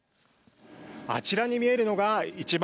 あちらに見えるのが一番